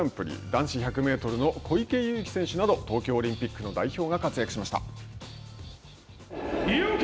男子１００メートルの小池祐貴選手など東京オリンピックの代表が活躍しました。